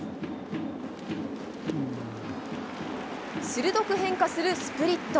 鋭く変化するスプリット。